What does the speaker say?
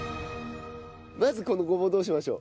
まずこのごぼうどうしましょう？